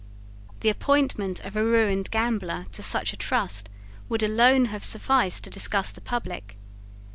The appointment of a ruined gambler to such a trust would alone have sufficed to disgust the public.